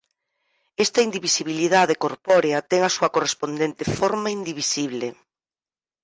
Esta indivisibilidade corpórea ten a súa correspondente "forma indivisible".